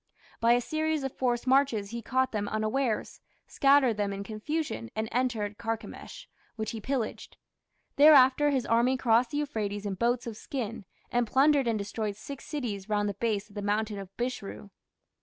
By a series of forced marches he caught them unawares, scattered them in confusion, and entered Carchemish, which he pillaged. Thereafter his army crossed the Euphrates in boats of skin, and plundered and destroyed six cities round the base of the mountain of Bishru.